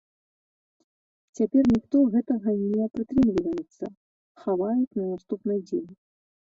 Цяпер ніхто гэтага не прытрымліваюцца, хаваюць на наступны дзень.